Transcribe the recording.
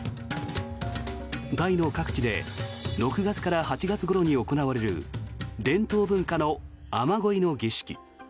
タイの各地で６月から８月ごろに行われる伝統文化の雨乞いの儀式。